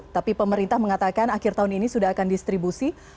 tapi pemerintah mengatakan akhir tahun ini sudah akan distribusi